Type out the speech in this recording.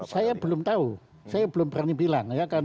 saya belum tahu saya belum berani bilang